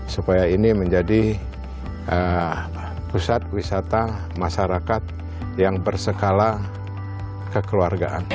supaya ini menjadi pusat wisata masyarakat yang berskala kekeluargaan